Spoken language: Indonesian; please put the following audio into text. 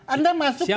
anda masuk ke bayu